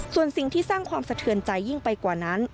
ส่วนสิ่งที่สร้างความสะเทือนใจยิ่งไปกว่านั้น